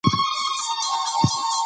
که پښتو ووایو نو ژبه نه مري.